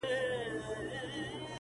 دا ویده پښتون له خوبه پاڅومه؛